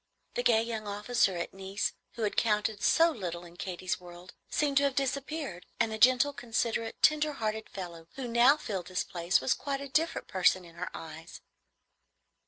The gay young officer at Nice, who had counted so little in Katy's world, seemed to have disappeared, and the gentle, considerate, tender hearted fellow who now filled his place was quite a different person in her eyes.